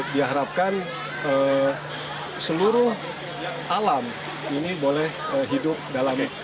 diharapkan seluruh alam ini boleh hidup dalami